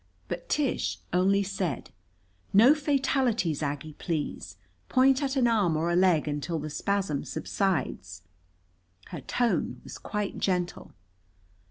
But Tish only said: "No fatalities, Aggie, please. Point at an arm or a leg until the spasm subsides." Her tone was quite gentle.